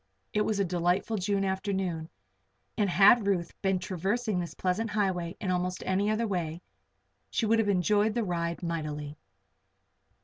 It was a delightful June afternoon and had Ruth been traversing this pleasant highway in almost any other way, she would have enjoyed the ride mightily.